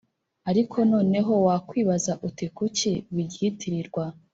Ariko noneho wakwibaza uti kuki biryitirirwa